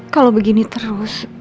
kalo begini terus